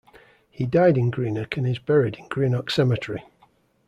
He died in Greenock and is buried in Greenock Cemetery.